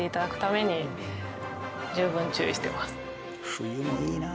冬もいいな。